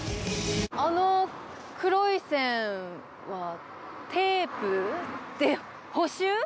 あの黒い線は、テープ？で補修？